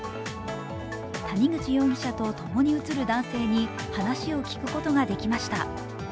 谷口容疑者と共に写る男性に話を聞くことができました。